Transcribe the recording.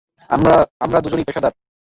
আমরা দুজনেই পেশাদার।